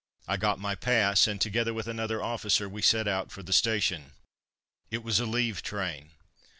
I got my pass, and together with another officer we set out for the station. It was a leave train.